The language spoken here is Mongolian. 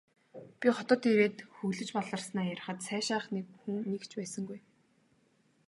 Би хотод ирээд хөглөж баларснаа ярихад сайшаах хүн нэг ч байсангүй.